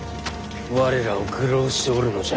我らを愚弄しておるのじゃ。